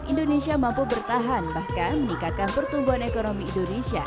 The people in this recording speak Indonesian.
indonesia mampu bertahan bahkan meningkatkan pertumbuhan ekonomi indonesia